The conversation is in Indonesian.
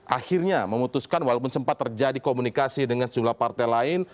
akhirnya memutuskan walaupun sempat terjadi komunikasi dengan sejumlah partai lain